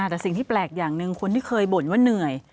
แต่สิ่งที่แปลกอย่างหนึ่งคนที่เคยบ่นว่าเหนื่อย